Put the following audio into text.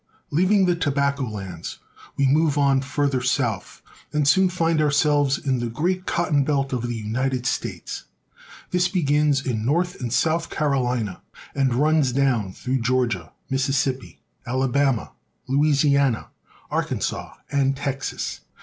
LEAVING the tobacco lands, we move on farther south, ^ and soon find ourselves in the great cotton belt of the United States. This begins in North and South CaroHna and runs down through Georgia, Mississippi, Alabama, Louisiana, Arkansas, and Texas.